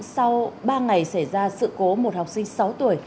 sau ba ngày xảy ra sự cố một học sinh sáu tuổi